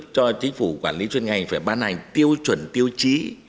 cơ quan bán hành